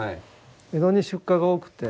江戸に出荷が多くて。